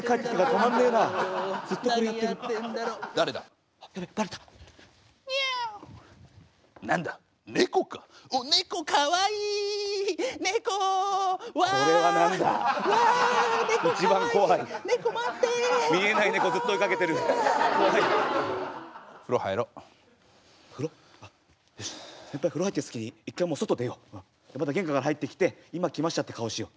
また玄関から入ってきて今来ましたって顔をしよう。